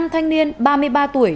năm thanh niên ba mươi ba tuổi